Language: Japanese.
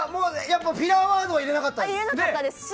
やっぱりフィラーワードは入れなかったし。